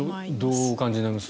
どうお感じになりますか？